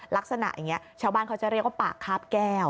ลักษณะแบบนี้แชวนบ้านเขาเรียกว่าปากคราบแก้ว